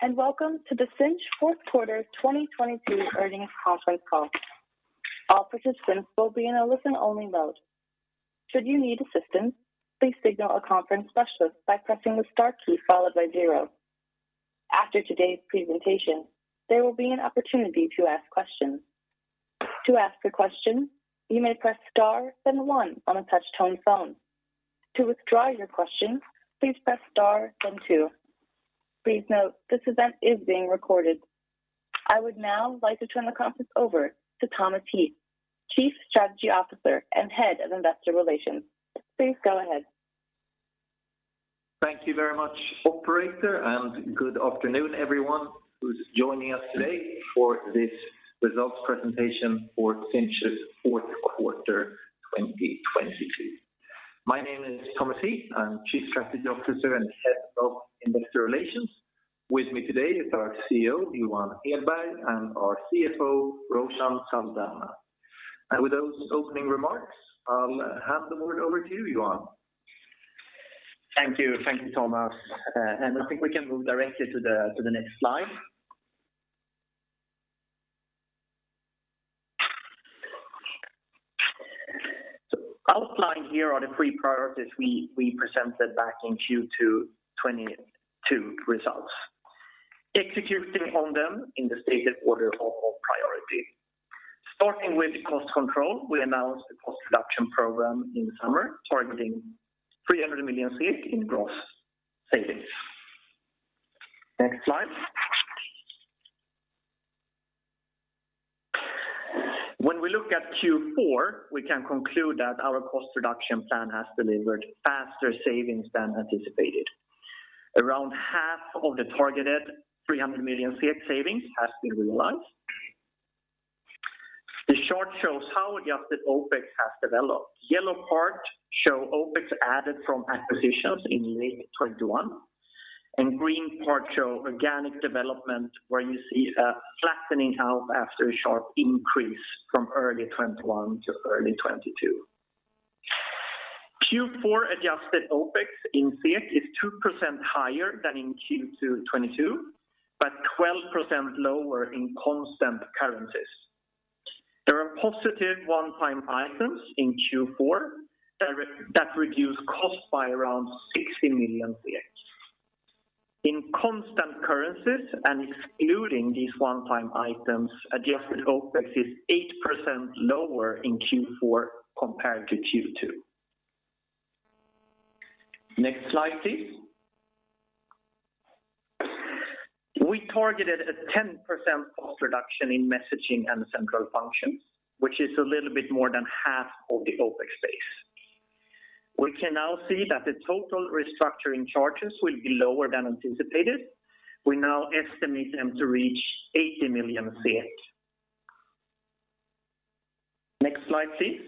Good day, and welcome to the Sinch fourth quarter 2022 earnings conference call. All participants will be in a listen-only mode. Should you need assistance, please signal a conference specialist by pressing the star key followed by zero. After today's presentation, there will be an opportunity to ask questions. To ask a question, you may press Star then 1 on a touch-tone phone. To withdraw your question, please press star then two. Please note, this event is being recorded. I would now like to turn the conference over to Thomas Heath, Chief Strategy Officer and Head of Investor Relations. Please go ahead. Thank you very much, operator. Good afternoon, everyone who's joining us today for this results presentation for Sinch's fourth quarter 2022. My name is Thomas Heath. I'm Chief Strategy Officer and Head of Investor Relations. With me today is our CEO, Johan Hedberg, and our CFO, Roshan Saldanha. With those opening remarks, I'll hand the word over to you, Johan. Thank you. Thank you, Thomas. I think we can move directly to the next slide. Outlined here are the three priorities we presented back in Q2 2022 results. Executing on them in the stated order of priority. Starting with cost control, we announced the cost reduction program in the summer, targeting 300 million in gross savings. Next slide. When we look at Q4, we can conclude that our cost reduction plan has delivered faster savings than anticipated. Around half of the targeted 300 million savings has been realized. The chart shows how adjusted OpEx has developed. Yellow part show OpEx added from acquisitions in late 2021. Green part show organic development, where you see a flattening out after a sharp increase from early 2021 to early 2022. Q4 adjusted OpEx in SEK is 2% higher than in Q2 2022, but 12% lower in constant currencies. There are positive one-time items in Q4 that reduce costs by around 60 million. In constant currencies and excluding these one-time items, adjusted OpEx is 8% lower in Q4 compared to Q2. Next slide, please. We targeted a 10% cost reduction in messaging and central functions, which is a little bit more than half of the OpEx base. We can now see that the total restructuring charges will be lower than anticipated. We now estimate them to reach 80 million. Next slide, please.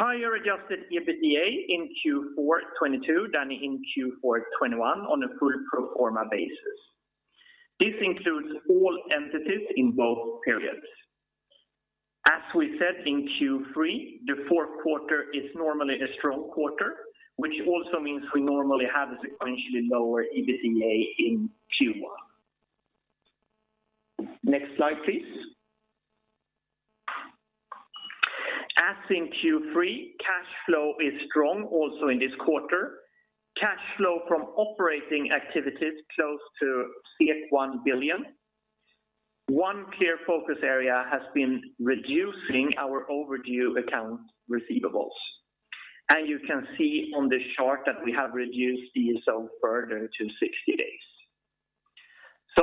Higher adjusted EBITDA in Q4 2022 than in Q4 2021 on a full pro forma basis. This includes all entities in both periods. As we said in Q3, the fourth quarter is normally a strong quarter, which also means we normally have a sequentially lower EBITDA in Q1. Next slide, please. As in Q3, cash flow is strong also in this quarter. Cash flow from operating activities close to 1 billion. One clear focus area has been reducing our overdue account receivables. You can see on this chart that we have reduced these further to 60 days.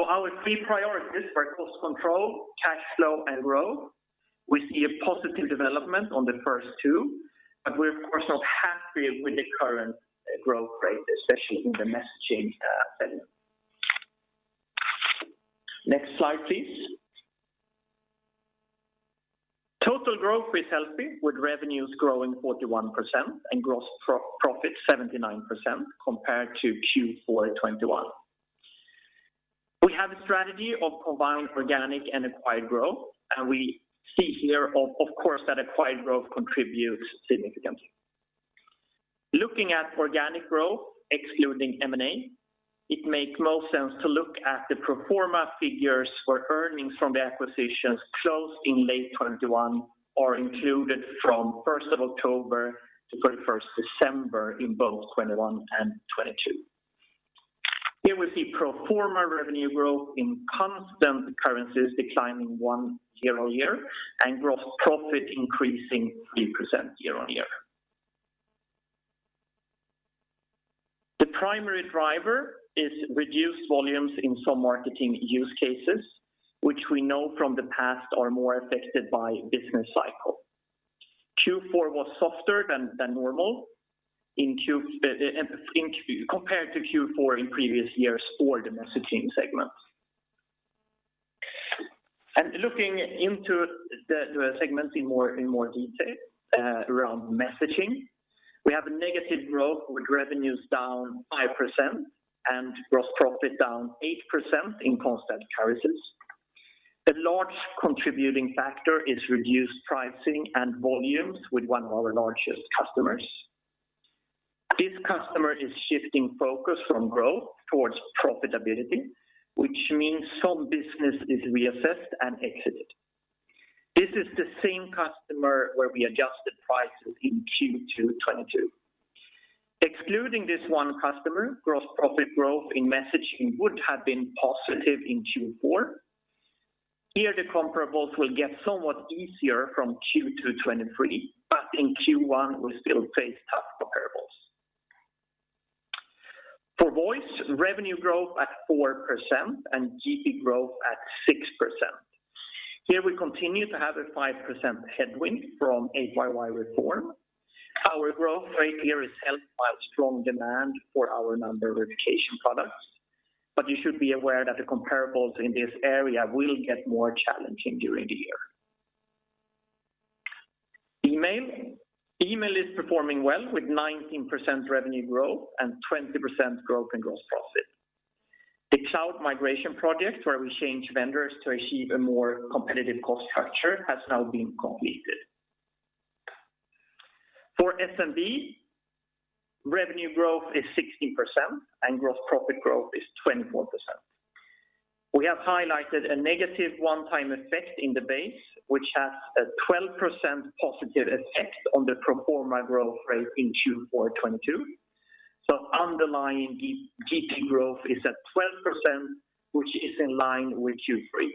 Our three priorities were cost control, cash flow, and growth. We see a positive development on the first two, we're of course not happy with the current growth rate, especially in the messaging segment. Next slide, please. Total growth is healthy, with revenues growing 41% and gross pro-profit 79% compared to Q4 2021. We have a strategy of combined organic and acquired growth. We see here, of course, that acquired growth contributes significantly. Looking at organic growth, excluding M&A, it makes more sense to look at the pro forma figures for earnings from the acquisitions closed in late 2021 or included from 1st of October to 31st December in both 2021 and 2022. Here we see pro forma revenue growth in constant currencies declining 1 year-over-year and gross profit increasing 3% year-over-year. The primary driver is reduced volumes in some marketing use cases, which we know from the past are more affected by business cycle. Q4 was softer than normal compared to Q4 in previous years for the messaging segment. Looking into the segments in more detail, around messaging, we have a negative growth with revenues down 5% and gross profit down 8% in constant currencies. A large contributing factor is reduced pricing and volumes with one of our largest customers. This customer is shifting focus from growth towards profitability, which means some business is reassessed and exited. This is the same customer where we adjusted prices in Q2 2022. Excluding this one customer, gross profit growth in messaging would have been positive in Q4. Here, the comparables will get somewhat easier from Q2 2023, but in Q1, we still face tough comparables. For Voice, revenue growth at 4% and GP growth at 6%. Here we continue to have a 5% headwind from A2P reform. Our growth rate here is helped by strong demand for our number verification products. You should be aware that the comparables in this area will get more challenging during the year. Email. Email is performing well with 19% revenue growth and 20% growth in gross profit. The cloud migration project, where we change vendors to achieve a more competitive cost structure, has now been completed. For SMB, revenue growth is 16% and gross profit growth is 24%. We have highlighted a negative one-time effect in the base, which has a 12% positive effect on the pro forma growth rate in Q4 2022. Underlying GP growth is at 12%, which is in line with Q3.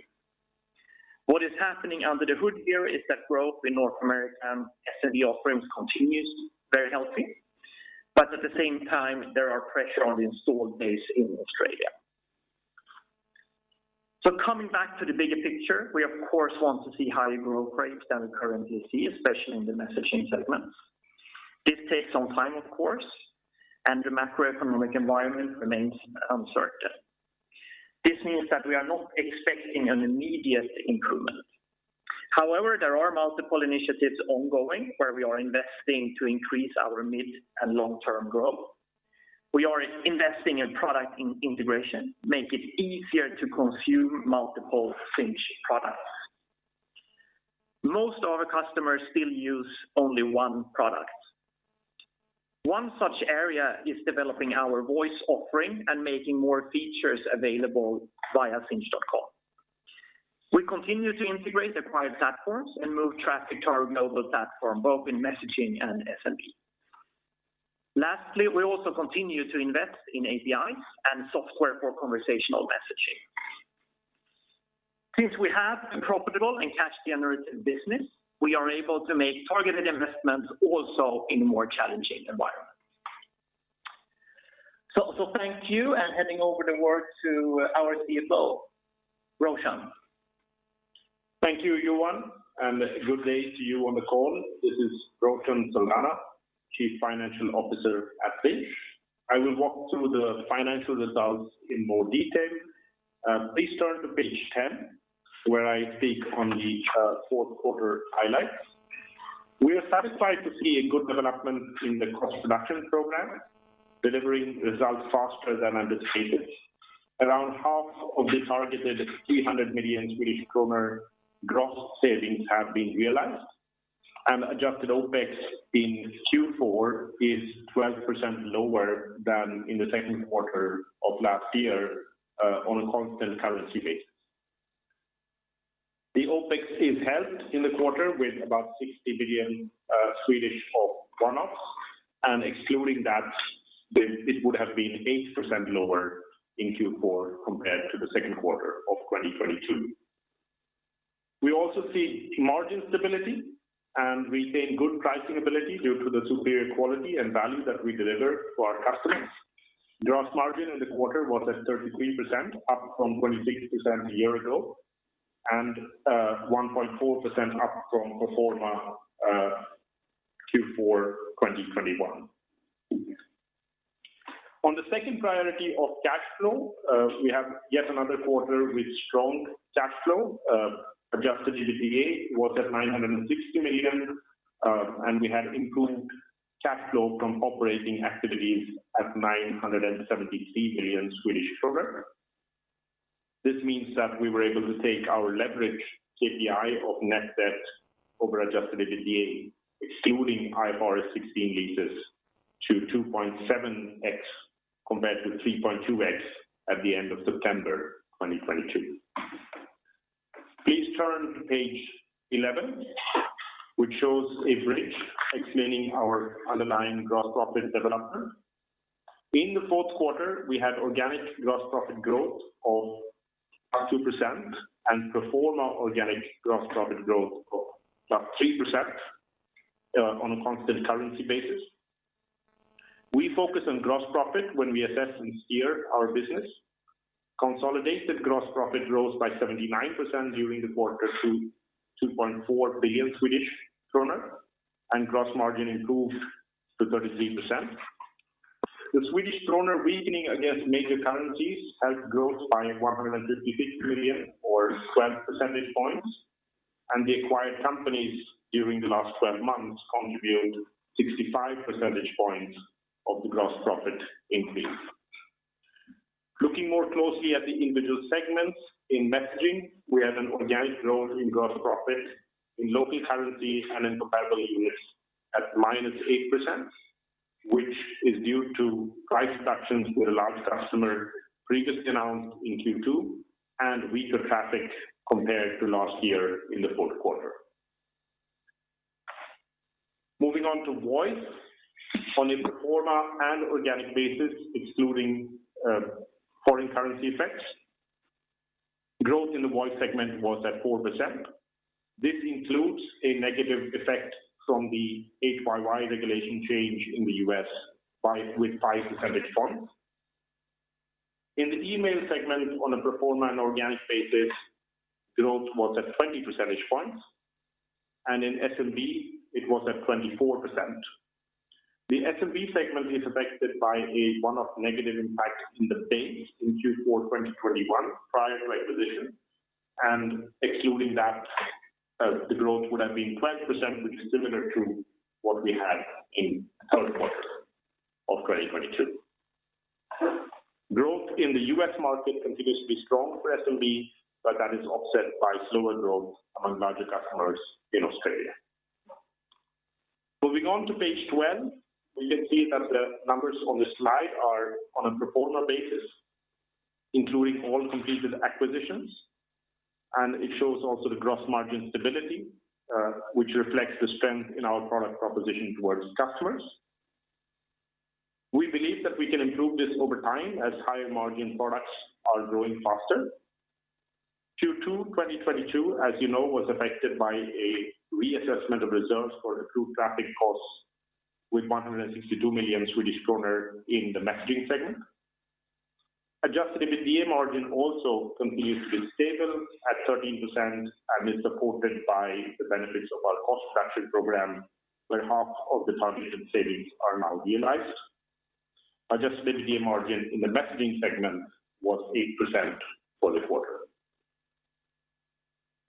What is happening under the hood here is that growth in North American SMB offerings continues very healthy, but at the same time, there are pressure on the installed base in Australia. Coming back to the bigger picture, we of course, want to see higher growth rates than we currently see, especially in the messaging segments. This takes some time, of course, and the macroeconomic environment remains uncertain. This means that we are not expecting an immediate improvement. However, there are multiple initiatives ongoing where we are investing to increase our mid and long-term growth. We are investing in product integration, make it easier to consume multiple Sinch products. Most of our customers still use only one product. One such area is developing our voice offering and making more features available via sinch.com. We continue to integrate acquired platforms and move traffic to our global platform, both in messaging and SMB. Lastly, we also continue to invest in APIs and software for conversational messaging. Since we have a profitable and cash-generative business, we are able to make targeted investments also in a more challenging environment. Thank you, and handing over the word to our CFO, Roshan. Thank you, Johan, and good day to you on the call. This is Roshan Saldanha, Chief Financial Officer at Sinch. I will walk through the financial results in more detail. Please turn to page 10, where I speak on the fourth quarter highlights. We are satisfied to see a good development in the cost reduction program, delivering results faster than anticipated. Around half of the targeted 300 million Swedish kronor gross savings have been realized, and adjusted OpEx in Q4 is 12% lower than in the second quarter of last year on a constant currency basis. The OpEx is helped in the quarter with about 60 million of one-offs, and excluding that, it would have been 8% lower in Q4 compared to the second quarter of 2022. We also see margin stability and retain good pricing ability due to the superior quality and value that we deliver to our customers. Gross margin in the quarter was at 33%, up from 26% a year ago, and 1.4% up from pro forma Q4 2021. On the second priority of cash flow, we have yet another quarter with strong cash flow. Adjusted EBITDA was at 960 million, and we had improved cash flow from operating activities at 973 million. This means that we were able to take our leverage KPI of net debt over Adjusted EBITDA, excluding IFRS 16 leases, to 2.7x compared to 3.2x at the end of September 2022. Please turn to page 11, which shows a bridge explaining our underlying gross profit development. In the fourth quarter, we had organic gross profit growth of 2% and pro forma organic gross profit growth of 3% on a constant currency basis. We focus on gross profit when we assess and steer our business. Consolidated gross profit grows by 79% during the quarter to 2.4 billion Swedish kronor, and gross margin improved to 33%. The Swedish krona weakening against major currencies helped growth by 156 million or 12 percentage points. The acquired companies during the last 12 months contribute 65 percentage points of the gross profit increase. Looking more closely at the individual segments, in Messaging, we have an organic growth in gross profit in local currency and in comparable units at -8%, which is due to price reductions with a large customer previously announced in Q2, and weaker traffic compared to last year in the fourth quarter. Moving on to Voice. On a pro forma and organic basis, excluding foreign currency effects, growth in the Voice segment was at 4%. This includes a negative effect from the 8YY regulation change in the U.S. with five percentage points. In the Email segment on a pro forma and organic basis, growth was at 20 percentage points, and in SMB, it was at 24%. The SMB segment is affected by a one-off negative impact in the base in Q4 2021 prior to acquisition. Excluding that, the growth would have been 12%, which is similar to what we had in third quarter of 2022. Growth in the U.S. market continues to be strong for SMB. That is offset by slower growth among larger customers in Australia. Moving on to page 12. We can see that the numbers on this slide are on a pro forma basis, including all completed acquisitions. It shows also the gross margin stability, which reflects the strength in our product proposition towards customers. We believe that we can improve this over time as higher margin products are growing faster. Q2 2022, as you know, was affected by a reassessment of reserves for accrued traffic costs with 162 million Swedish kronor in the Messaging segment. Adjusted EBITDA margin also continues to be stable at 13% and is supported by the benefits of our cost reduction program, where half of the targeted savings are now realized. Adjusted EBITDA margin in the Messaging segment was 8% for the quarter.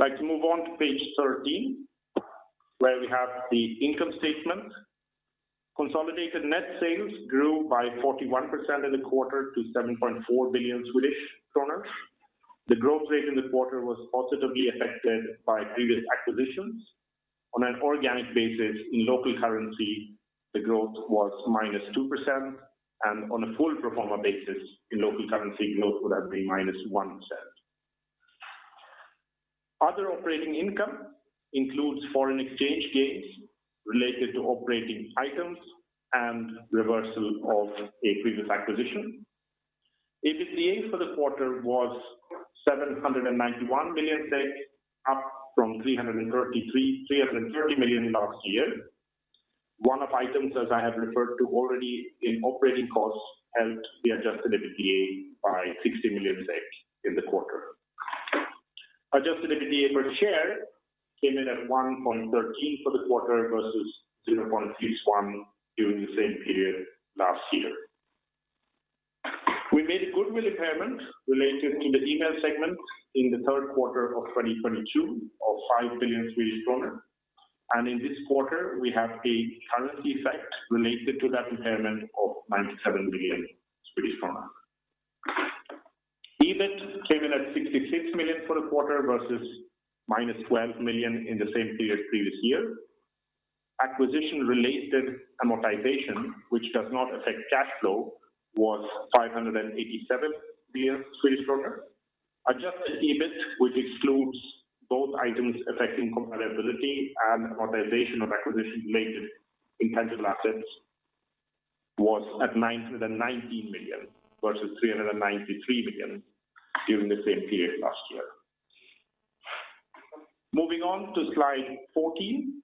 I'd like to move on to page 13, where we have the income statement. Consolidated net sales grew by 41% in the quarter to 7.4 billion Swedish kronor. The growth rate in the quarter was positively affected by previous acquisitions. On an organic basis in local currency, the growth was -2%, and on a full pro forma basis in local currency, growth would have been -1%. Other operating income includes foreign exchange gains related to operating items and reversal of a previous acquisition. EBITDA for the quarter was 791 million, up from 330 million last year. One-off items, as I have referred to already in operating costs, helped the adjusted EBITDA by 60 million SEK in the quarter. Adjusted EBITDA per share came in at 1.13 for the quarter versus 0.61 during the same period last year. We made a goodwill impairment related in the Email segment in the third quarter of 2022 of 5 billion Swedish kronor. In this quarter, we have a currency effect related to that impairment of 97 billion Swedish kronor. EBIT came in at 66 million for the quarter versus -12 million in the same period previous year. Acquisition related amortization, which does not affect cash flow, was 587 billion Swedish kronor. Adjusted EBIT, which excludes both items affecting comparability and amortization of acquisition related intangible assets, was at 919 million versus 393 million during the same period last year. Moving on to slide 14,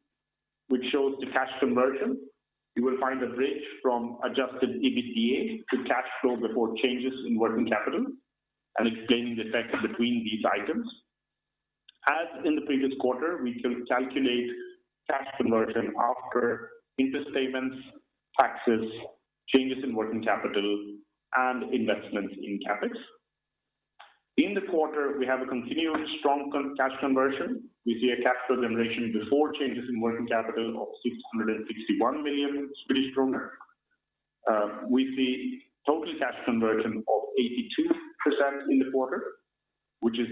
which shows the cash conversion. You will find a bridge from adjusted EBITDA to cash flow before changes in working capital and explaining the effect between these items. As in the previous quarter, we can calculate cash conversion after interest payments, taxes, changes in working capital and investments in CapEx. In the quarter, we have a continued strong cash conversion. We see a cash flow generation before changes in working capital of 661 million. We see total cash conversion of 82% in the quarter, which is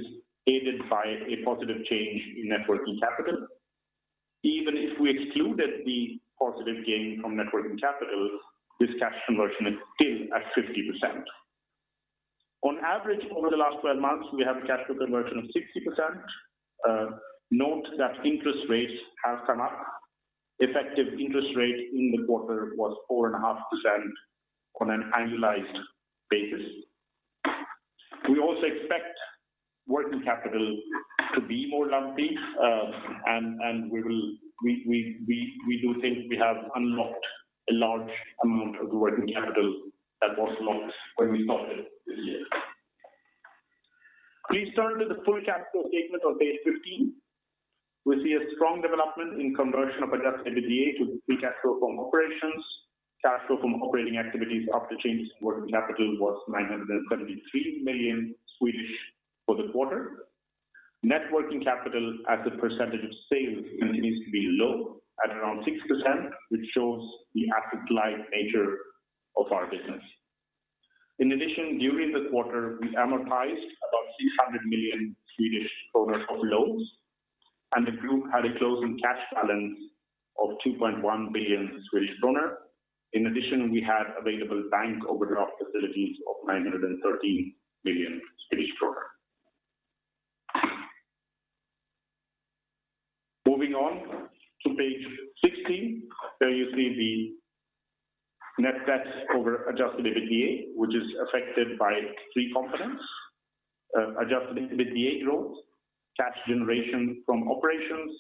aided by a positive change in net working capital. Even if we excluded the positive gain from net working capital, this cash conversion is still at 50%. On average, over the last 12 months, we have a cash flow conversion of 60%. Note that interest rates have come up. Effective interest rate in the quarter was 4.5% on an annualized basis. We also expect working capital to be more lumpy, and we will, we do think we have unlocked a large amount of the working capital that was locked when we bought it earlier. Please turn to the full cash flow statement on page 15. We see a strong development in conversion of adjusted EBITDA to free cash flow from operations. Cash flow from operating activities after changes in working capital was 973 million for the quarter. Net working capital as a percentage of sales continues to be low at around 6%, which shows the asset-light nature of our business. During the quarter, we amortized about 600 million Swedish kronor of loans, and the group had a closing cash balance of 2.1 billion Swedish kronor. We had available bank overdraft facilities of 913 million Swedish kronor. Moving on to page 16, there you see the net debt over adjusted EBITDA, which is affected by three components: adjusted EBITDA growth, cash generation from operations,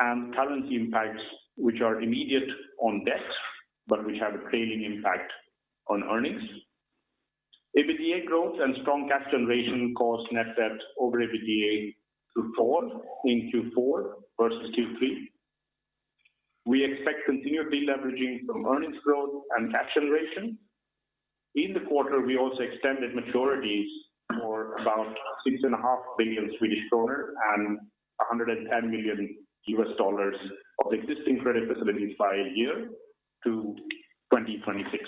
and currency impacts, which are immediate on debt, but which have a trailing impact on earnings. EBITDA growth and strong cash generation caused net debt over EBITDA to fall in Q4 versus Q3. We expect continued deleveraging from earnings growth and cash generation. In the quarter, we also extended maturities for about six and a half billion Swedish kronor and $110 million of existing credit facilities by a year to 2026.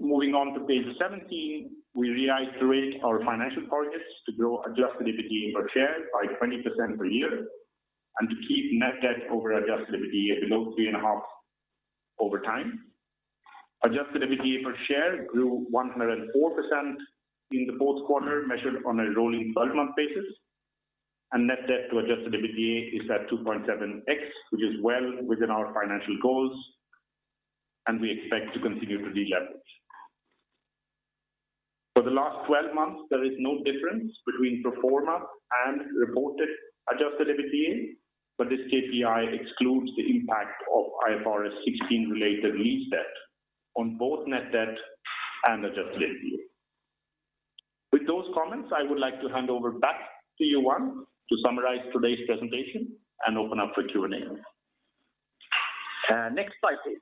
Moving on to page 17, we reiterate our financial targets to grow adjusted EBITDA per share by 20% per year and to keep net debt over adjusted EBITDA below 3.5 over time. Adjusted EBITDA per share grew 104% in the fourth quarter, measured on a rolling 12-month basis. Net debt to adjusted EBITDA is at 2.7x, which is well within our financial goals, and we expect to continue to deleverage. For the last 12 months, there is no difference between pro forma and reported adjusted EBITDA. This KPI excludes the impact of IFRS 16 related lease debt on both net debt and adjusted EBITDA. With those comments, I would like to hand over back to Johan to summarize today's presentation and open up for Q&A. Next slide, please.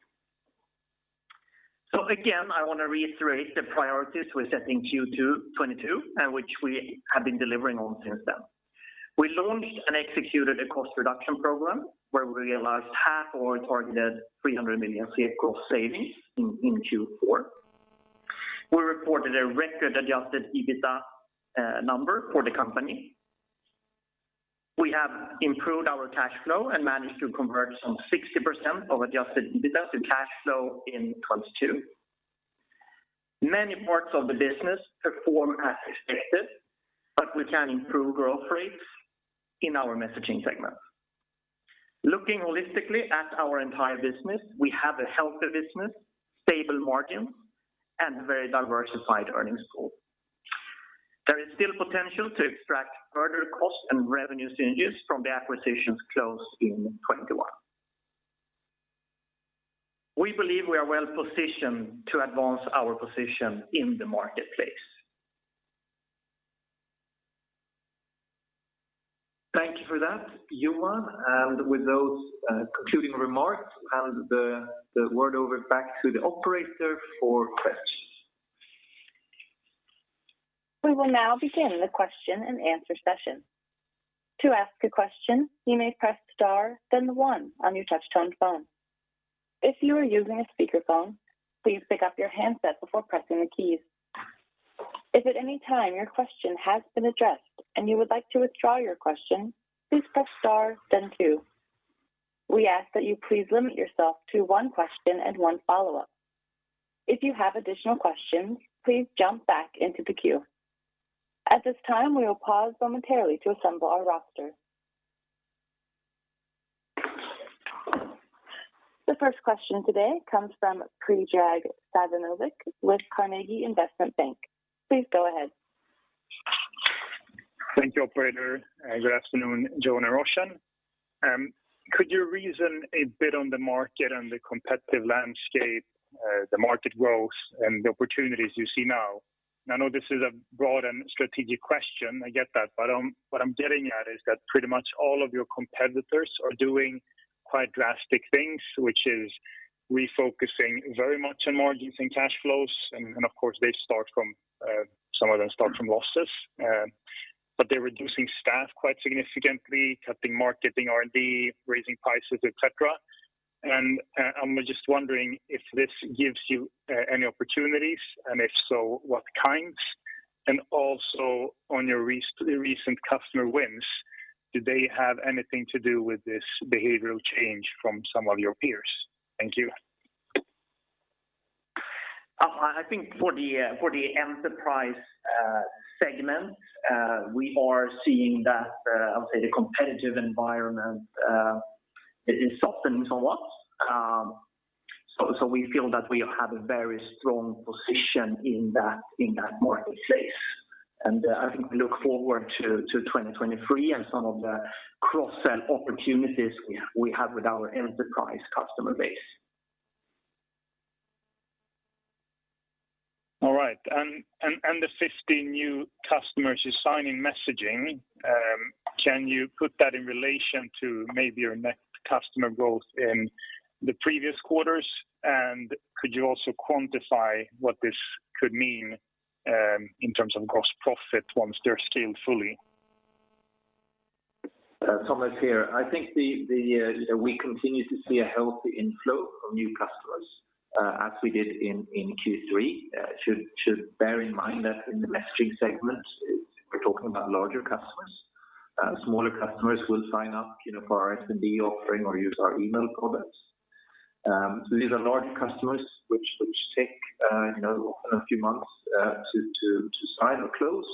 Again, I want to reiterate the priorities we set in Q2 2022, which we have been delivering on since then. We launched and executed a cost reduction program where we realized half our targeted 300 million cost savings in Q4. We reported a record adjusted EBITDA number for the company. We have improved our cash flow and managed to convert some 60% of adjusted EBITDA to cash flow in 2022. Many parts of the business perform as expected, but we can improve growth rates in our messaging segment. Looking holistically at our entire business, we have a healthy business, stable margins, and very diversified earnings pool. There is still potential to extract further cost and revenue synergies from the acquisitions closed in 2021. We believe we are well-positioned to advance our position in the marketplace. Thank you for that, Johan. With those concluding remarks, I'll hand the word over back to the operator for questions. We will now begin the question-and-answer session. To ask a question, you may press star then the one on your touch-tone phone. If you are using a speakerphone, please pick up your handset before pressing the keys. If at any time your question has been addressed and you would like to withdraw your question, please press star then two. We ask that you please limit yourself to one question and one follow-up. If you have additional questions, please jump back into the queue. At this time, we will pause momentarily to assemble our roster. The first question today comes from Predrag Savinovic with Carnegie Investment Bank. Please go ahead. Thank you, operator. Good afternoon, Johan and Roshan. Could you reason a bit on the market and the competitive landscape, the market growth and the opportunities you see now? I know this is a broad and strategic question. I get that. What I'm getting at is that pretty much all of your competitors are doing quite drastic things, which is refocusing very much on margins and cash flows. Of course, they start from some of them start from losses. They're reducing staff quite significantly, cutting marketing, R&D, raising prices, et cetera. I'm just wondering if this gives you any opportunities, and if so, what kinds? Also on your recent customer wins, do they have anything to do with this behavioral change from some of your peers? Thank you. I think for the enterprise segment, we are seeing that I would say the competitive environment, it softens a lot. We feel that we have a very strong position in that market space. I think we look forward to 2023 and some of the cross-sell opportunities we have with our enterprise customer base. The 15 new customers you sign in messaging, can you put that in relation to maybe your net customer growth in the previous quarters? Could you also quantify what this could mean in terms of gross profit once they're scaled fully? Thomas here. I think the, we continue to see a healthy inflow of new customers, as we did in Q3. Should bear in mind that in the messaging segment, we're talking about larger customers. Smaller customers will sign up, you know, for our SMB offering or use our email products. These are larger customers which take, you know, often a few months to sign or close,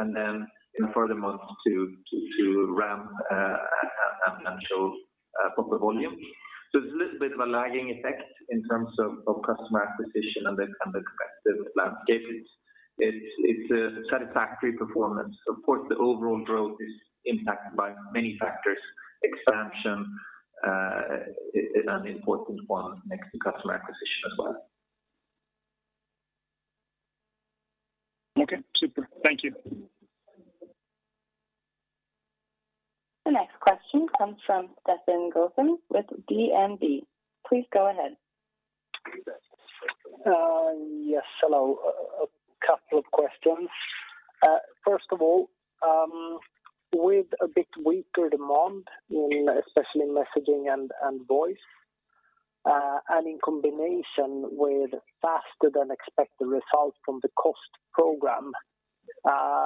and then in further months to ramp and show proper volume. There's a little bit of a lagging effect in terms of customer acquisition and the, and the competitive landscape. It's a satisfactory performance. Of course, the overall growth is impacted by many factors. Expansion is an important one next to customer acquisition as well. Okay. Super. Thank you. The next question comes from Stefan Gauffin with DNB. Please go ahead. Yes. Hello. A couple of questions. First of all, with a bit weaker demand in especially messaging and voice, in combination with faster than expected results from the cost program,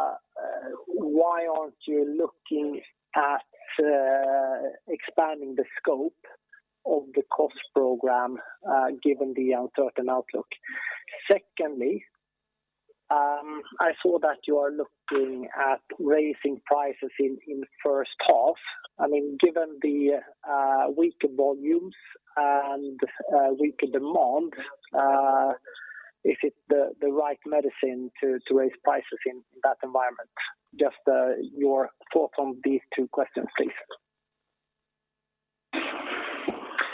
why aren't you looking at expanding the scope of the cost program, given the uncertain outlook? Secondly, I saw that you are looking at raising prices in the first half. I mean, given the weaker volumes and weaker demand, is it the right medicine to raise prices in that environment? Just your thoughts on these two questions, please.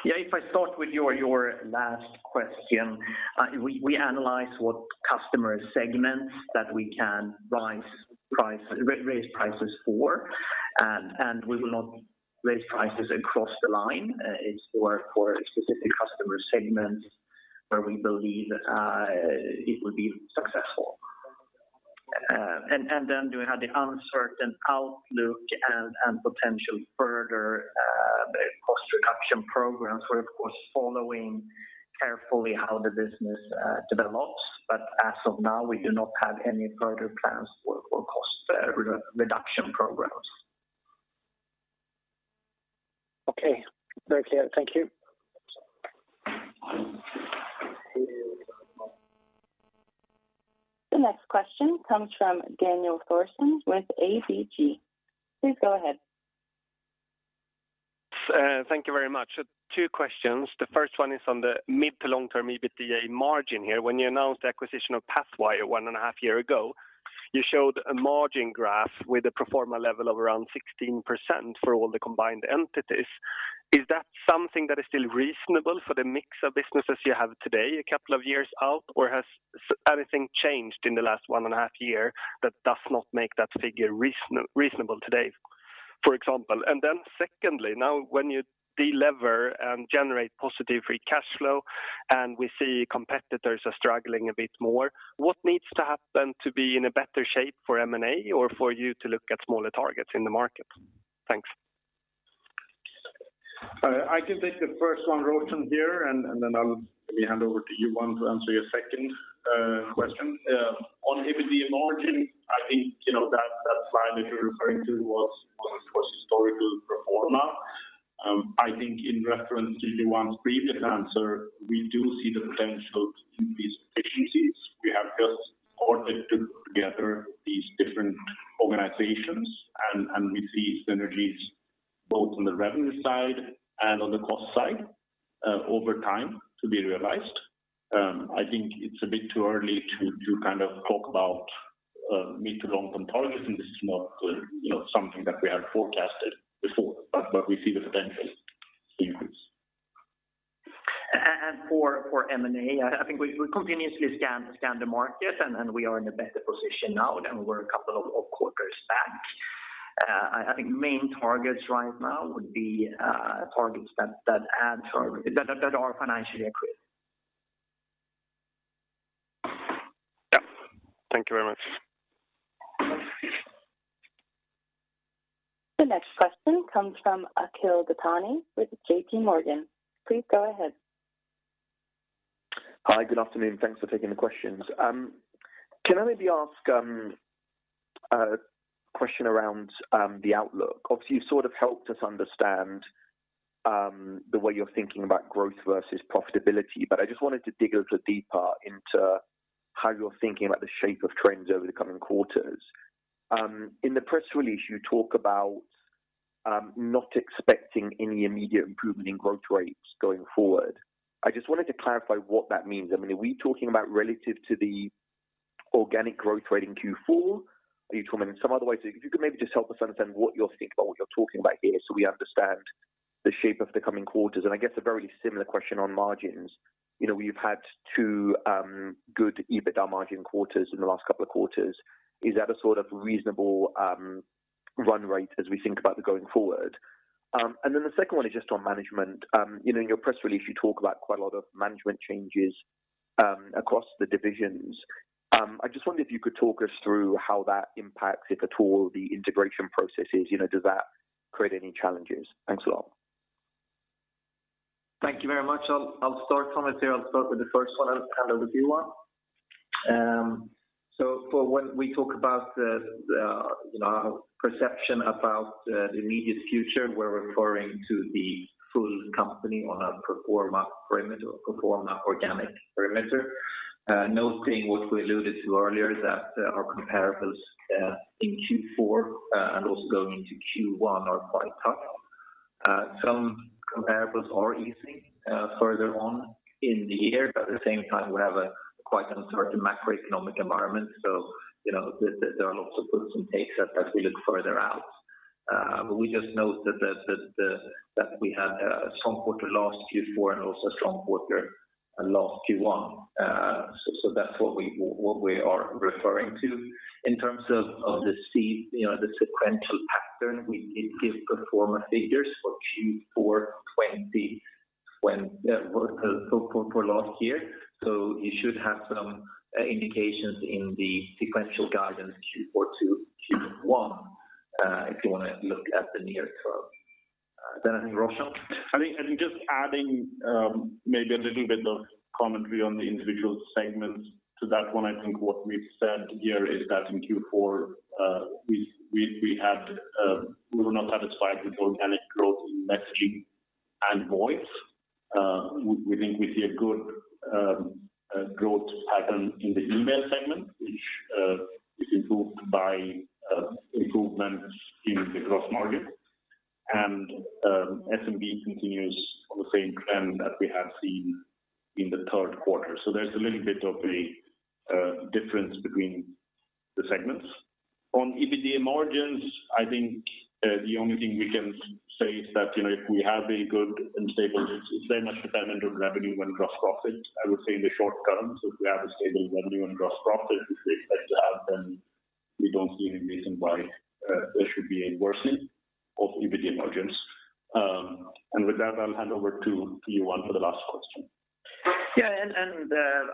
If I start with your last question. We analyze what customer segments that we can raise prices for, and we will not raise prices across the line. It's for specific customer segments where we believe it would be successful. And then you have the uncertain outlook and potential further cost reduction programs. We're of course following carefully how the business develops. As of now, we do not have any further plans for cost reduction programs. Okay. Very clear. Thank you. The next question comes from Daniel Thorsson with ABG. Please go ahead. Thank you very much. Two questions. The first one is on the mid to long term EBITDA margin here. When you announced the acquisition of Pathwire one and a half year ago, you showed a margin graph with a pro forma level of around 16% for all the combined entities. Is that something that is still reasonable for the mix of businesses you have today, a couple of years out, or has anything changed in the last one and a half year that does not make that figure reasonable today, for example? Secondly, now when you de-lever and generate positive free cash flow and we see competitors are struggling a bit more, what needs to happen to be in a better shape for M&A or for you to look at smaller targets in the market? Thanks. I can take the first one, Roger, here, and then I'll maybe hand over to Johan to answer your second question. On EBITDA margin, I think, you know, that slide that you're referring to was historical pro forma. I think in reference to Johan's previous answer, we do see the potential to increase efficiencies. We have just ordered together these different organizations and we see synergies both on the revenue side and on the cost side over time to be realized. I think it's a bit too early to kind of talk about mid to long term targets, and this is not, you know, something that we had forecasted before, but we see the potential to use. For M&A, I think we continuously scan the market and we are in a better position now than we were a couple of quarters back. I think main targets right now would be targets that add that are financially accretive. Yeah. Thank you very much. The next question comes from Akhil Dattani with JPMorgan. Please go ahead. Hi. Good afternoon. Thanks for taking the questions. Can I maybe ask a question around the outlook? Obviously, you've sort of helped us understand the way you're thinking about growth versus profitability, but I just wanted to dig a little deeper into how you're thinking about the shape of trends over the coming quarters. In the press release, you talk about not expecting any immediate improvement in growth rates going forward. I just wanted to clarify what that means. I mean, are we talking about relative to the organic growth rate in Q4? Are you talking about in some other way? If you could maybe just help us understand what you're talking about here so we understand the shape of the coming quarters, and I guess a very similar question on margins. You know, we've had two good EBITDA margin quarters in the last couple of quarters. Is that a sort of reasonable run rate as we think about the going forward? The second one is just on management. You know, in your press release, you talk about quite a lot of management changes across the divisions. I just wondered if you could talk us through how that impacts, if at all, the integration processes. You know, does that create any challenges? Thanks a lot. Thank you very much. I'll start, Thomas, here. I'll start with the first one and hand over to you, Johan. For when we talk about the, you know, perception about the immediate future, we're referring to the full company on a pro forma perimeter, pro forma organic perimeter. Noting what we alluded to earlier, that our comparables, in Q4, and also going into Q1 are quite tough. Some comparables are easing, further on in the year, at the same time, we have a quite uncertain macroeconomic environment. You know, there are lots of puts and takes as we look further out. We just note that we had a strong quarter last Q4 and also a strong quarter last Q1. That's what we are referring to. In terms of, you know, the sequential pattern, we did give pro forma figures for Q4 2020 when for last year. You should have some indications in the sequential guidance Q4 to Q1 if you wanna look at the near term. Is there anything, Roshan? I think just adding maybe a little bit of commentary on the individual segments to that one. I think what we've said here is that in Q4, we were not satisfied with organic growth in messaging and voice. We think we see a good growth pattern in the email segment, which is improved by improvements in the growth margin. SMB continues on the same trend that we have seen in the third quarter. There's a little bit of a difference between the segments. On EBITDA margins, I think the only thing we can say is that, you know, if we have a good and stable... It's very much dependent on revenue and gross profit, I would say, in the short term. If we have a stable revenue and gross profit, which we expect to have, then we don't see any reason why there should be a worsening of EBITDA margins. With that, I'll hand over to you, Johan, for the last question. Yeah.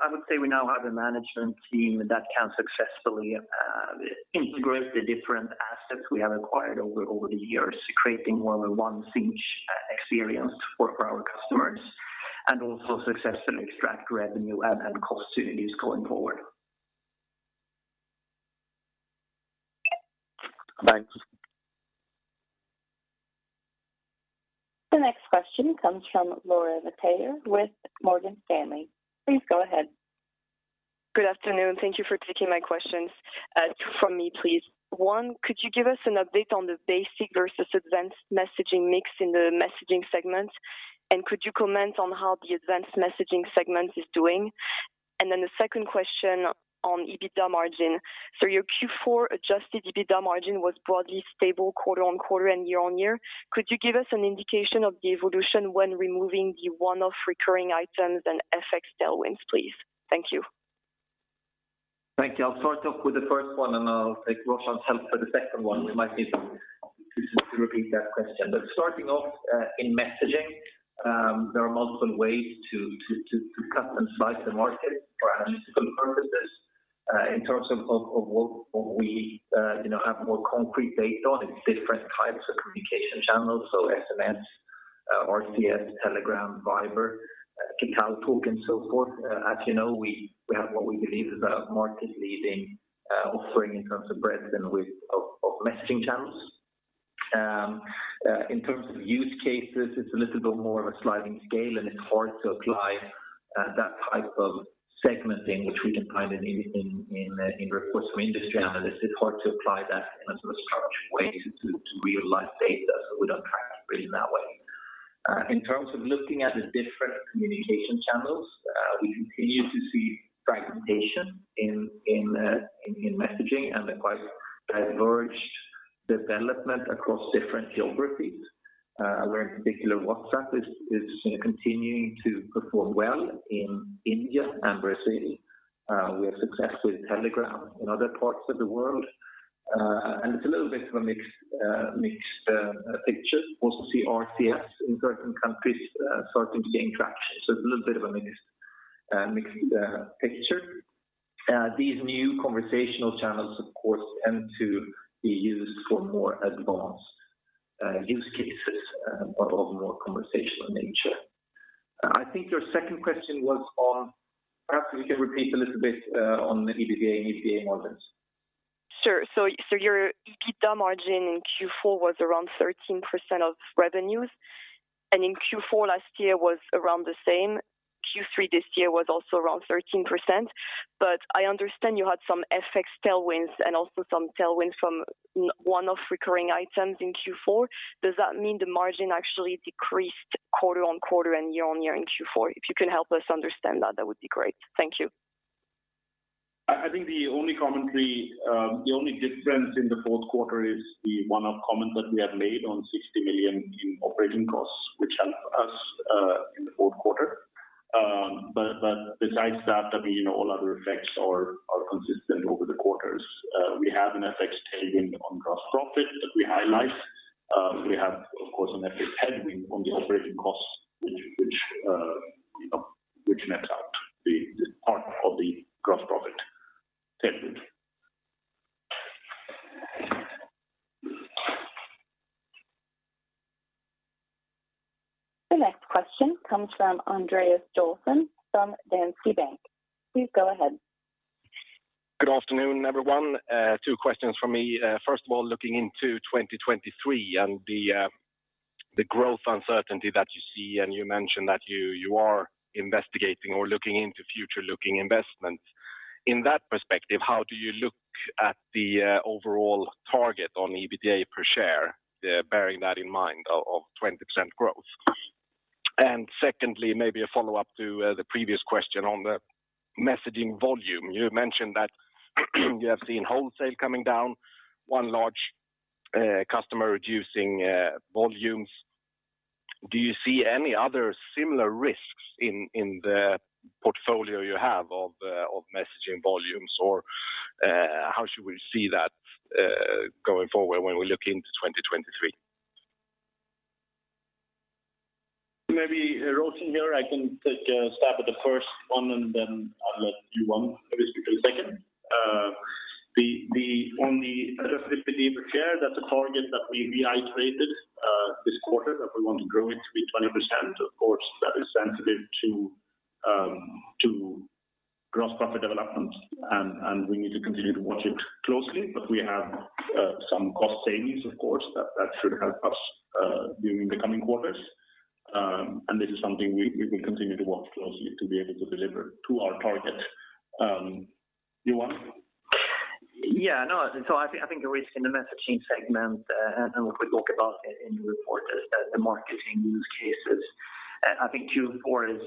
I would say we now have a management team that can successfully integrate the different assets we have acquired over the years, creating more of a seamless experience for our customers, and also successfully extract revenue add and cost synergies going forward. Thanks. The next question comes from Laura Metayer with Morgan Stanley. Please go ahead. Good afternoon. Thank you for taking my questions. Two from me, please. One, could you give us an update on the basic versus advanced messaging mix in the messaging segment? Could you comment on how the advanced messaging segment is doing? The second question on EBITDA margin. Your Q4 adjusted EBITDA margin was broadly stable quarter-on-quarter and year-on-year. Could you give us an indication of the evolution when removing the one-off recurring items and FX tailwinds, please? Thank you. Thank you. I'll start off with the first one. I'll take Roshan's help for the second one. We might need to repeat that question. Starting off in messaging, there are multiple ways to cut and slice the market for analytical purposes. In terms of what we, you know, have more concrete data on, it's different types of communication channels, so SMS, RCS, Telegram, Viber, KakaoTalk, and so forth. As you know, we have what we believe is a market-leading offering in terms of breadth and width of messaging channels. In terms of use cases, it's a little bit more of a sliding scale, and it's hard to apply that type of segmenting, which we can find in reports from industry analysts. It's hard to apply that in a sort of structured way to realize data, we don't track it really in that way. In terms of looking at the different communication channels, we continue to see fragmentation in messaging and a quite diverged development across different geographies. Where in particular WhatsApp is, you know, continuing to perform well in India and Brazil. We have success with Telegram in other parts of the world. It's a little bit of a mixed picture. We also see RCS in certain countries starting to gain traction, it's a little bit of a mixed picture. These new conversational channels, of course, tend to be used for more advanced use cases, but of a more conversational nature. I think your second question was on. Perhaps if you can repeat a little bit, on the EBITDA and EBITDA margins. Sure. Your EBITDA margin in Q4 was around 13% of revenues, and in Q4 last year was around the same. Q3 this year was also around 13%. I understand you had some FX tailwinds and also some tailwind from n-one-off recurring items in Q4. Does that mean the margin actually decreased quarter-over-quarter and year-over-year in Q4? If you can help us understand that would be great. Thank you. I think the only commentary, the only difference in the fourth quarter is the one-off comment that we have made on 60 million in operating costs, which helped us in the fourth quarter. Besides that, I mean, all other effects are consistent over the quarters. We have an FX tailwind on gross profit that we highlight. We have, of course, an FX headwind on the operating costs, which, you know, which nets out the part of the gross profit segment. The next question comes from Andreas Joelsson from Danske Bank. Please go ahead. Good afternoon, everyone. Two questions from me. First of all, looking into 2023 and the growth uncertainty that you see, you mentioned that you are investigating or looking into future looking investments. In that perspective, how do you look at the overall target on EBITDA per share, bearing that in mind of 20% growth? Secondly, maybe a follow-up to the previous question on the messaging volume. You mentioned that you have seen wholesale coming down, one large customer reducing volumes. Do you see any other similar risks in the portfolio you have of messaging volumes, or how should we see that going forward when we look into 2023? Maybe, Roshan here, I can take a stab at the first one, and then I'll let Johan, maybe speak on the second. The only adjusted EBITDA per share, that's a target that we reiterated this quarter, that we want to grow it to be 20%. Of course, that is sensitive to gross profit development, and we need to continue to watch it closely. We have some cost savings, of course, that should help us during the coming quarters. This is something we will continue to watch closely to be able to deliver to our target. Johan. Yeah, no. I think the risk in the messaging segment, and what we talk about in the report is the marketing use cases. I think Q4 is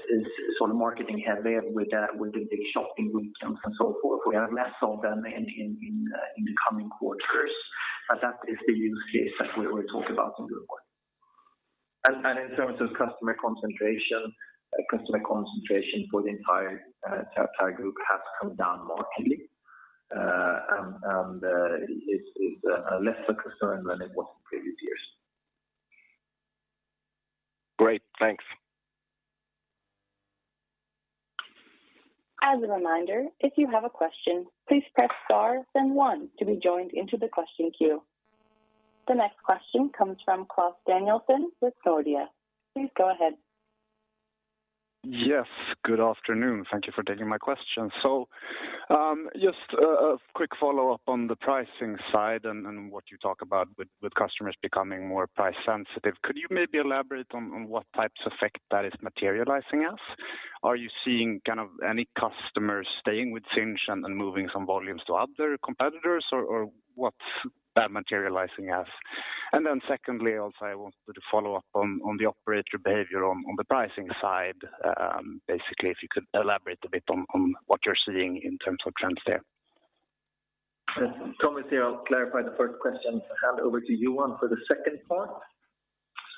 sort of marketing-heavy with the, with the big shopping weekends and so forth. We have less of them in the coming quarters, and that is the use case that we talk about in the report. In terms of customer concentration, customer concentration for the entire group has come down markedly, and is less of a concern than it was in previous years. Great. Thanks. As a reminder, if you have a question, please press star then one to be joined into the question queue. The next question comes from Klas Danielsson with Nordea. Please go ahead. Yes, good afternoon. Thank you for taking my question. Just a quick follow-up on the pricing side and what you talk about with customers becoming more price-sensitive. Could you maybe elaborate on what types of effect that is materializing as? Are you seeing kind of any customers staying with Sinch and moving some volumes to other competitors or what's that materializing as? Secondly, also, I wanted to follow up on the operator behavior on the pricing side. Basically, if you could elaborate a bit on what you're seeing in terms of trends there. Thomas here. I'll clarify the first question and hand over to Johan for the second part.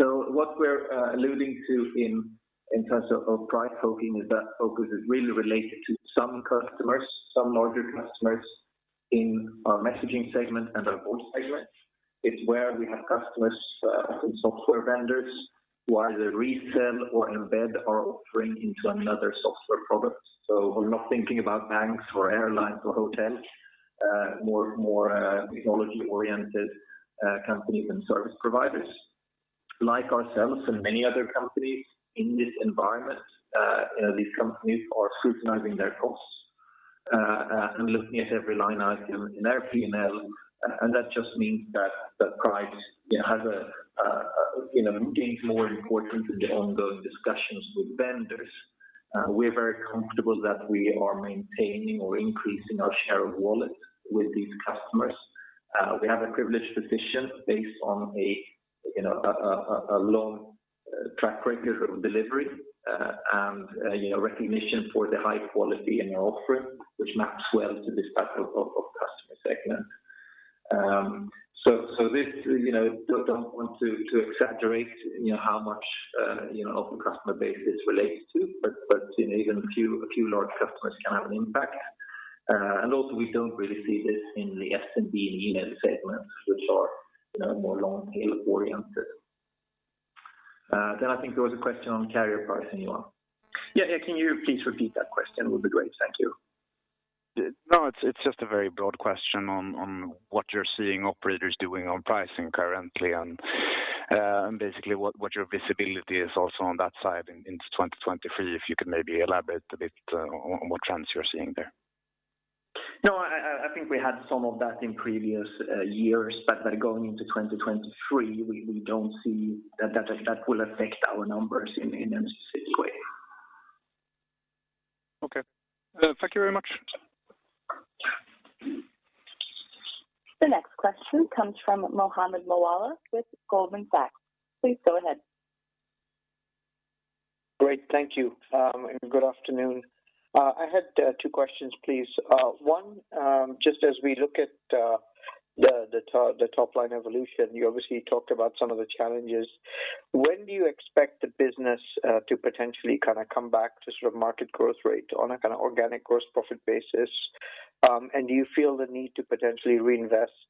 What we're alluding to in terms of price focusing is that focus is really related to some customers, some larger customers in our messaging segment and our voice segment. It's where we have customers and software vendors who either resell or embed our offering into another software product. We're not thinking about banks or airlines or hotels, more technology-oriented companies and service providers. Like ourselves and many other companies in this environment, you know, these companies are scrutinizing their costs and looking at every line item in their P&L. That just means that the price, you know, has a, you know, gains more importance in the ongoing discussions with vendors. We're very comfortable that we are maintaining or increasing our share of wallet with these customers. We have a privileged position based on a, you know, a long track record of delivery, and, you know, recognition for the high quality in our offering, which maps well to this type of customer segment. This, you know, don't want to exaggerate, you know, how much, you know, of the customer base this relates to, but, you know, even a few large customers can have an impact. Also, we don't really see this in the SMB and email segments, which are, you know, more long tail-oriented. I think there was a question on carrier pricing, Johan. Can you please repeat that question? Would be great. Thank you. No, it's just a very broad question on what you're seeing operators doing on pricing currently, and basically what your visibility is also on that side into 2023, if you could maybe elaborate a bit on what trends you're seeing there. No, I think we had some of that in previous years, but going into 2023, we don't see that will affect our numbers in any specific way. Okay. Thank you very much. The next question comes from Mohammed Moawalla with Goldman Sachs. Please go ahead. Great. Thank you. Good afternoon. I had two questions, please. One, just as we look at the top line evolution, you obviously talked about some of the challenges. When do you expect the business to potentially kinda come back to sort of market growth rate on a kinda organic gross profit basis? Do you feel the need to potentially reinvest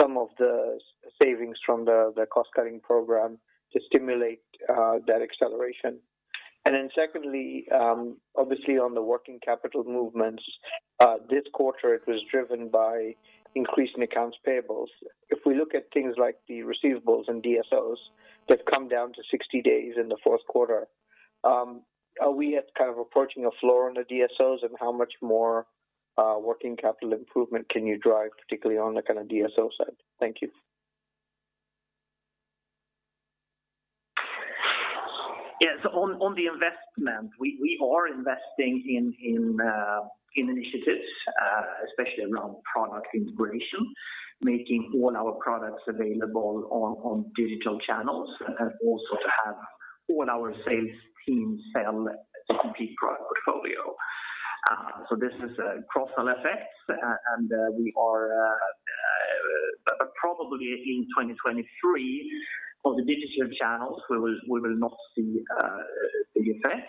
some of the savings from the cost-cutting program to stimulate that acceleration? Secondly, obviously on the working capital movements, this quarter it was driven by increase in accounts payables. If we look at things like the receivables and DSOs that come down to 60 days in the fourth quarter, are we at kind of approaching a floor on the DSOs, and how much more working capital improvement can you drive, particularly on the kinda DSO side? Thank you. Yes. On the investment, we are investing in initiatives, especially around product integration, making all our products available on digital channels, also to have all our sales team sell CP product portfolio. This is a cross-sell effect. We are probably in 2023 for the digital channels, we will not see the effect.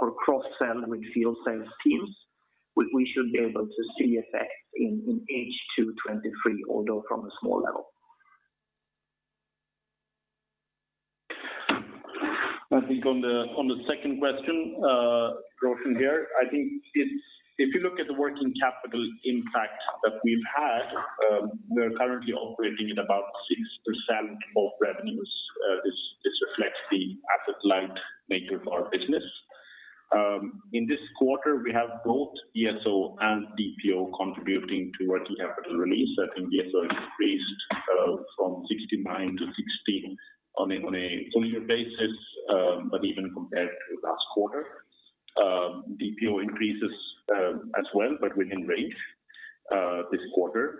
For cross-sell with field sales teams, we should be able to see effect in H2 2023, although from a small level. I think on the second question, Roshan here, if you look at the working capital impact that we've had, we're currently operating at about 6% of revenues. This reflects the asset light nature of our business. In this quarter, we have both DSO and DPO contributing to working capital release. I think DSO increased from 69-60 on a full year basis, but even compared to last quarter. DPO increases as well, but within range this quarter.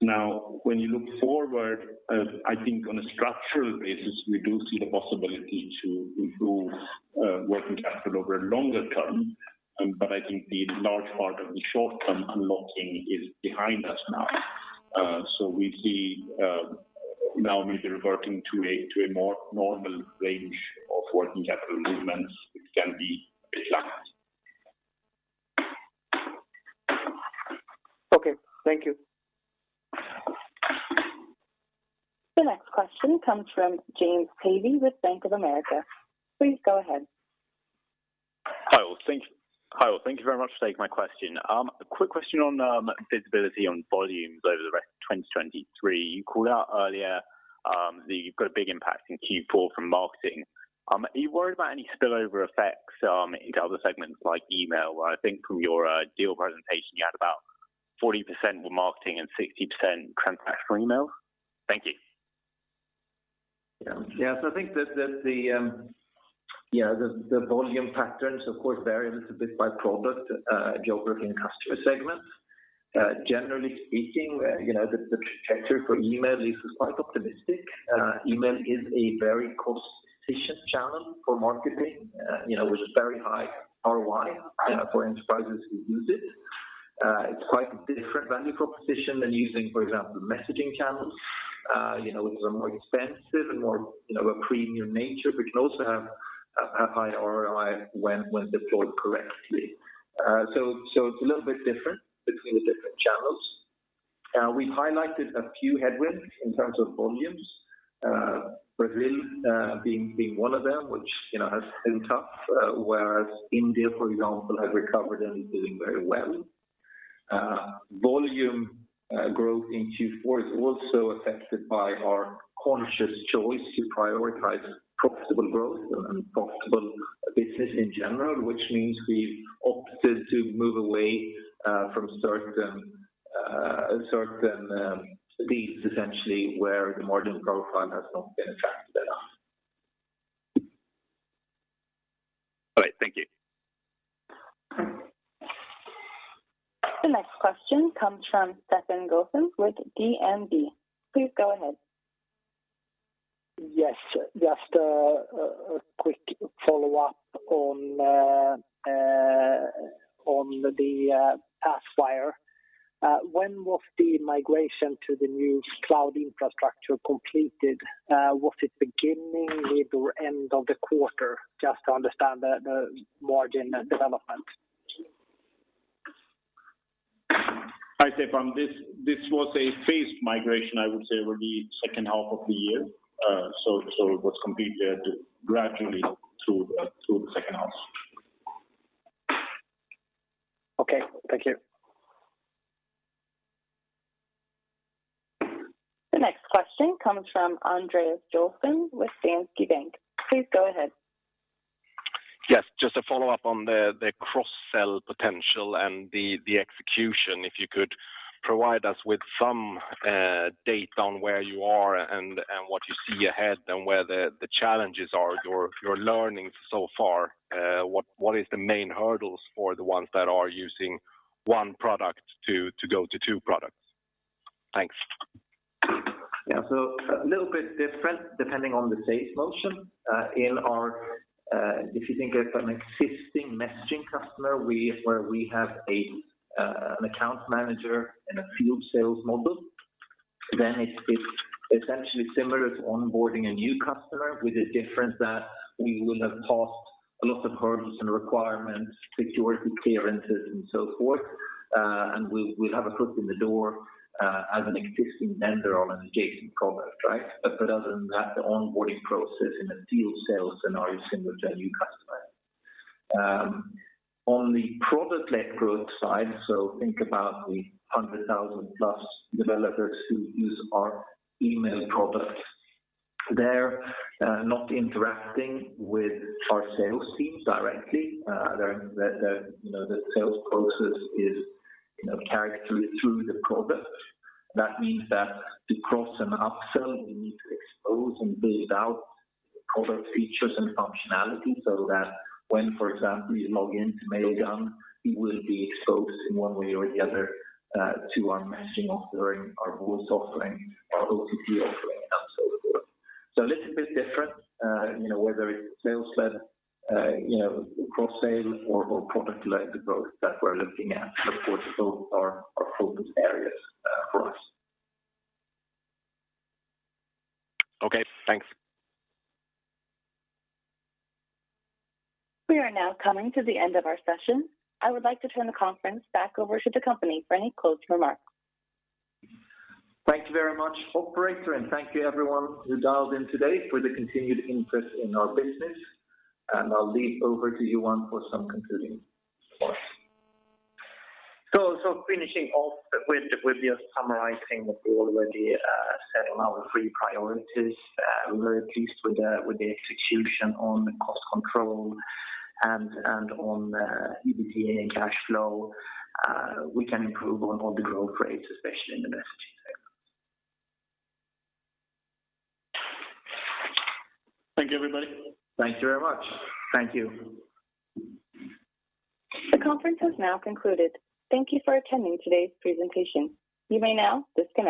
When you look forward, I think on a structural basis, we do see the possibility to improve working capital over a longer term, but I think the large part of the short-term unlocking is behind us now. We see, now we'll be reverting to a more normal range of working capital movements, which can be relaxed. Okay. Thank you. The next question comes from James Pavey with Bank of America. Please go ahead. Hi, thank you very much for taking my question. A quick question on visibility on volumes over the rest of 2023. You called out earlier that you've got a big impact in Q4 from marketing. Are you worried about any spillover effects into other segments like email? Where I think from your deal presentation, you had about 40% were marketing and 60% transactional email. Thank you. Yeah. Yeah. I think that the volume patterns of course vary a little bit by product, geographic and customer segments. Generally speaking, you know, the trajectory for email at least is quite optimistic. Email is a very cost-efficient channel for marketing, you know, with a very high ROI for enterprises who use it. It's quite a different value proposition than using, for example, messaging channels, you know, which are more expensive and more, you know, a premium nature, but can also have high ROI when deployed correctly. It's a little bit different between the different channels. We've highlighted a few headwinds in terms of volumes, Brazil, being one of them, which, you know, has been tough, whereas India, for example, has recovered and is doing very well. Volume growth in Q4 is also affected by our conscious choice to prioritize profitable growth and profitable business in general, which means we've opted to move away from certain leads essentially where the margin profile has not been attractive enough. All right. Thank you. The next question comes from Stefan Gauffin with DNB. Please go ahead. Yes. Just a quick follow-up on the Aspire. When was the migration to the new cloud infrastructure completed? Was it beginning with or end of the quarter? Just to understand the margin development. Hi, Stefan. This was a phased migration, I would say, over the second half of the year. It was completed gradually through the second half. Okay. Thank you. The next question comes from Andreas Joelsson with SEB. Please go ahead. Yes. Just a follow-up on the cross-sell potential and the execution. If you could provide us with some. An update on where you are and what you see ahead and where the challenges are, your learnings so far. What is the main hurdles for the ones that are using one product to go to two products? Thanks. A little bit different depending on the sales motion, in our, if you think of an existing messaging customer, where we have an account manager and a field sales model, then it's essentially similar to onboarding a new customer with a difference that we will have passed a lot of hurdles and requirements, security clearances and so forth. We'll have a foot in the door as an existing vendor on an adjacent contract, right? Other than that, the onboarding process in a field sales scenario is similar to a new customer. On the product-led growth side, think about the 100,000+ developers who use our email products. They're not interacting with our sales teams directly. They're, you know, the sales process is, you know, carried through the product. That means that to cross an upsell, we need to expose and build out product features and functionality so that when, for example, you log in to Mailgun, you will be exposed in one way or the other, to our messaging offering, our voice offering, our OTP offering, and so forth. A little bit different, you know, whether it's sales-led, you know, cross-sale or product-led growth that we're looking at. Of course, those are our focus areas for us. Okay. Thanks. We are now coming to the end of our session. I would like to turn the conference back over to the company for any closing remarks. Thank you very much, operator, and thank you everyone who dialed in today for the continued interest in our business. I'll leave over to Johan for some concluding remarks. Finishing off with just summarizing what we already said on our three priorities. We're pleased with the execution on cost control and on EBITDA and cash flow. We can improve on the growth rates, especially in the messaging segment. Thank you, everybody. Thank you very much. Thank you. The conference has now concluded. Thank you for attending today's presentation. You may now disconnect.